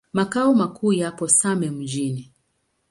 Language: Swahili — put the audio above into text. Makao makuu yapo Same Mjini.